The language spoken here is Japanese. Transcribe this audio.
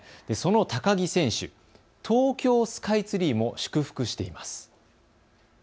その高木選手、東京スカイツリーも祝福しています。